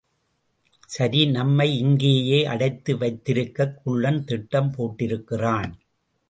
சரி, நம்மை இங்கேயே அடைத்து வைத்திருக்கக் குள்ளன் திட்டம் போட்டிருக்கிறான்.